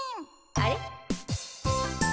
あれ？